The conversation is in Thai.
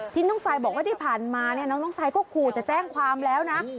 น้องซายบอกว่าที่ผ่านมาเนี่ยน้องน้องซายก็ขู่จะแจ้งความแล้วนะ